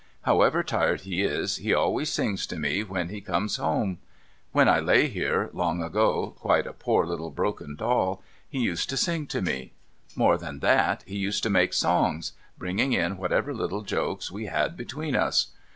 However tired he is, he always sings to me when he comes home. When I lay here long ago, quite a poor little broken doll, he used to sing to me. More than that, he used to make songs, bringing in whatever little jokes we had between us.